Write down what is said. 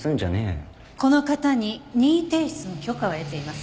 この方に任意提出の許可は得ています。